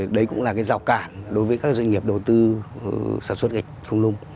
đấy cũng là cái rào cản đối với các doanh nghiệp đầu tư sản xuất gạch không nung